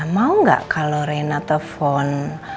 mau gak kalau rena telepon